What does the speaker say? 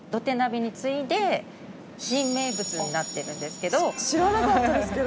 になってるんですけど。